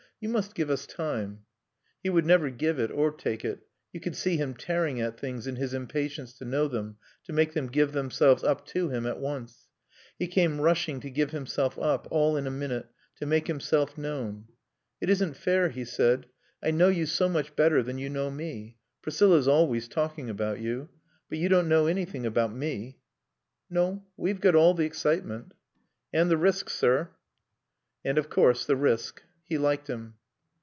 "You must give us time." He would never give it or take it. You could see him tearing at things in his impatience, to know them, to make them give themselves up to him at once. He came rushing to give himself up, all in a minute, to make himself known. "It isn't fair," he said. "I know you so much better than you know me. Priscilla's always talking about you. But you don't know anything about me." "No. We've got all the excitement." "And the risk, sir." "And, of course, the risk." He liked him.